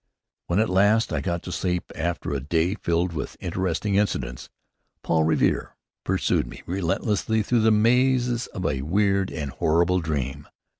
When at last I got to sleep, after a day filled with interesting incidents, Paul Revere pursued me relentlessly through the mazes of a weird and horrible dream.